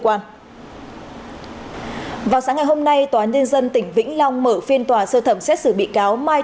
quan vào sáng ngày hôm nay tòa nhân dân tỉnh vĩnh long mở phiên tòa sơ thẩm xét xử bị cáo mai